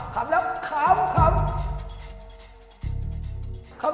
แกล้วหนักรอเผา